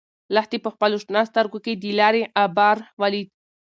لښتې په خپلو شنه سترګو کې د لارې غبار ولید.